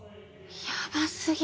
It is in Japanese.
ヤバすぎ。